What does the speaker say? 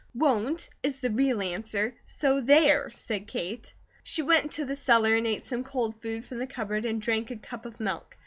"'Won't,' is the real answer, 'so there,'" said Kate. She went into the cellar and ate some cold food from the cupboard and drank a cup of milk.